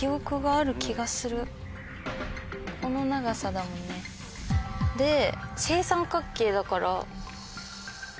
この長さだもんね。で正三角形だから。